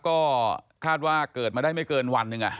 ก็คาดว่าเกิดมาได้ไม่เกินวันหนึ่ง